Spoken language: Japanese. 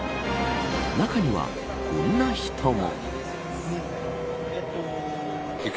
中にはこんな人も。